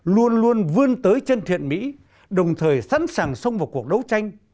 luôn luôn vươn tới chân thiện mỹ đồng thời sẵn sàng xông vào cuộc đấu tranh